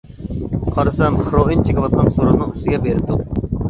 قارىسام «خىروئىن» چېكىۋاتقان سورۇننىڭ ئۈستىگە بېرىپتۇق.